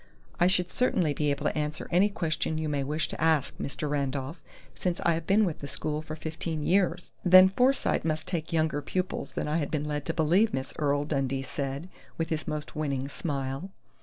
"I should certainly be able to answer any question you may wish to ask, Mr. Randolph, since I have been with the school for fifteen years," Miss Earle interrupted tartly. "Then Forsyte must take younger pupils than I had been led to believe, Miss Earle," Dundee said, with his most winning smile.